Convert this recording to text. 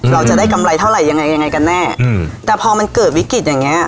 เราจะได้กำไรเท่าไหร่ยังไงยังไงกันแน่อืมแต่พอมันเกิดวิกฤตอย่างเงี้